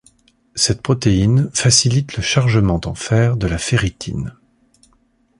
Cette protéine facilite le chargement en fer de la ferritine.